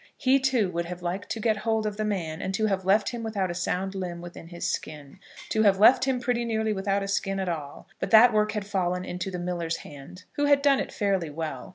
He, too, would have liked to get hold of the man and to have left him without a sound limb within his skin, to have left him pretty nearly without a skin at all; but that work had fallen into the miller's hands, who had done it fairly well.